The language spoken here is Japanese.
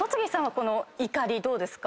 この怒りどうですか？